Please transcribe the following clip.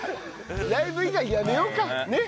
ライブ以外やめようかねっ。